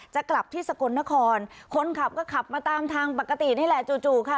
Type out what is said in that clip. จะกลับที่สกลนครคนขับก็ขับมาตามทางปกตินี่แหละจู่จู่ค่ะ